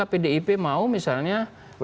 pdip mau misalnya